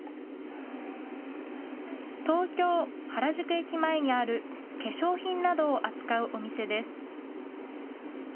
東京・原宿駅前にある化粧品などを扱うお店です。